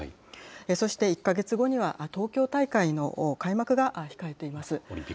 そして、１か月後には東京大会の開幕が控えています。